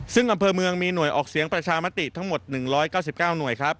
ซึ่งอำเภอเมืองมีหน่วยออกเสียงประชามติทั้งหมด๑๙๙หน่วยครับ